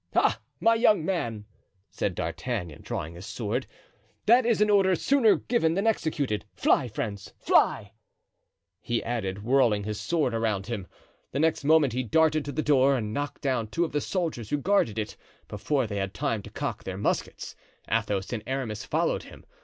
"Ah! my young man," said D'Artagnan, drawing his sword, "that is an order sooner given than executed. Fly, friends, fly!" he added, whirling his sword around him. The next moment he darted to the door and knocked down two of the soldiers who guarded it, before they had time to cock their muskets. Athos and Aramis followed him.